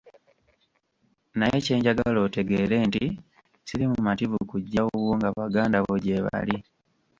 Naye kye njagala otegeere nti siri mumativu kujja wuwo nga baganda bo gyebali.